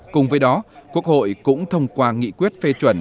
cùng với đó quốc hội cũng thông qua nghị quyết phê chuẩn